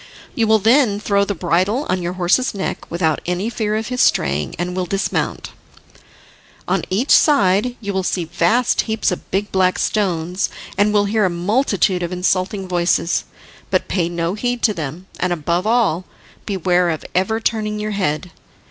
You will then throw the bridle on your horse's neck without any fear of his straying, and will dismount. On each side you will see vast heaps of big black stones, and will hear a multitude of insulting voices, but pay no heed to them, and, above all, beware of ever turning your head.